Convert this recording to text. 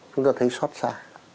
chúng ta thấy xót xa